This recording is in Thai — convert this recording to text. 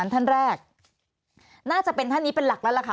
ท่านแรกน่าจะเป็นท่านนี้เป็นหลักแล้วล่ะค่ะ